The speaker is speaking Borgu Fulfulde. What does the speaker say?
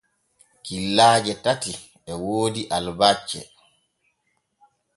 Killaaje tati e woodi albacce.